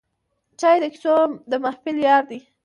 چای د کیسو د محفل یار دی